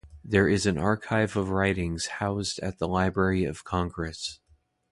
There is an archive of writings housed at the Library of Congress.